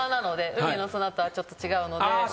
海の砂とはちょっと違うので。